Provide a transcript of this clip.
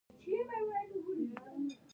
مجاهد د رب لپاره خوښي غواړي.